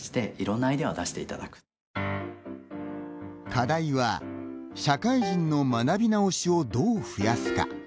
課題は「社会人の学び直しをどう増やすか」。